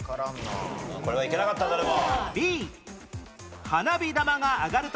これはいけなかった誰も。